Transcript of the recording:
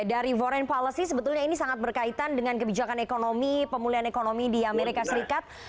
dari foreign policy sebetulnya ini sangat berkaitan dengan kebijakan ekonomi pemulihan ekonomi di amerika serikat